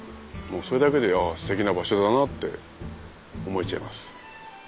それだけでステキな場所だなって思えちゃいます。